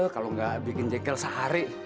kalau nggak bikin jengkel sehari